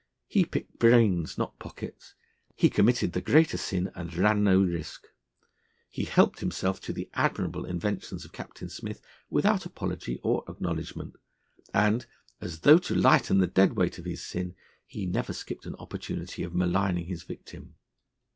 He picked brains, not pockets; he committed the greater sin and ran no risk. He helped himself to the admirable inventions of Captain Smith without apology or acknowledgment, and, as though to lighten the dead weight of his sin, he never skipped an opportunity of maligning his victim.